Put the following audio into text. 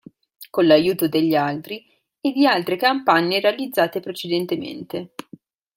Con l'aiuto degli altri e di altre campagne realizzate precedentemente.